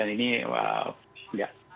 dan ini tidak